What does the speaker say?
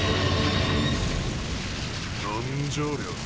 何じゃありゃ。